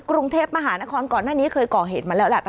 กรุงเทพมหานครก่อนหน้านี้เคยก่อเหตุมาแล้วแหละ